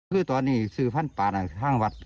คือตอนนี้ซื้อพันธุ์ปลารอบใหม่ทางวัด